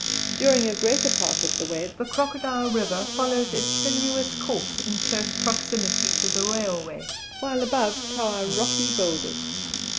During a greater part of the way the Crocodile River follows its sinuous course in close proximity to the railway, while above tower rocky boulders.